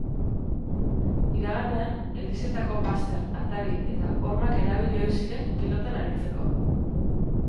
Iraganean, elizetako bazter, atari eta hormak erabili ohi ziren pilotan aritzeko.